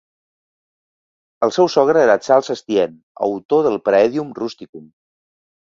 El seu sogre era Charles Estienne, autor del "Praedieum rusticum".